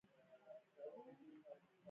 د کارسو خزان له تېر خزان څخه ډېر متفاوت وو.